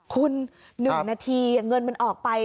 คุณ๑นาทีเงินมันออกไป